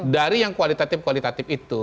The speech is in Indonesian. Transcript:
dari yang kualitatif kualitatif itu